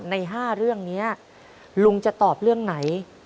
ใน๕เรื่องนี้ลุงจะตอบเรื่องไหน